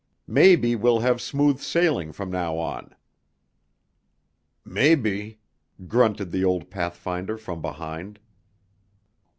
"Maybe we'll have smooth sailing from now on." "Mebby!" grunted the old pathfinder from behind.